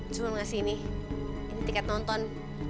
cuma ngasih nih ini tiket nonton